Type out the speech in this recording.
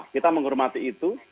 kita menghormati itu